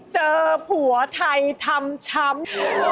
เจอผัวไทยทำช้ำ